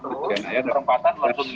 terus perempatan langsung ini aja